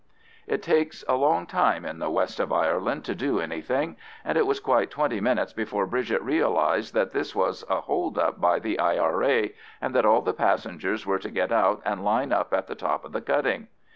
It takes a long time in the west of Ireland to do anything, and it was quite twenty minutes before Bridget realised that this was a hold up by the I.R.A., and that all the passengers were to get out and line up at the top of the cutting.